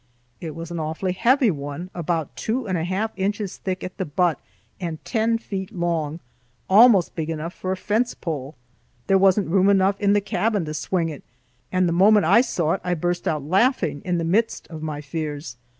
It was an awfully heavy one, about two and a half inches thick at the butt and ten feet long, almost big enough for a fence pole. There wasn't room enough in the cabin to swing it, and the moment I saw it I burst out laughing in the midst of my fears.